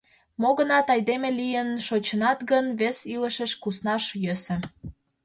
Мо-гынат, айдеме лийын шочынат гын, вес илышыш куснаш йӧсӧ.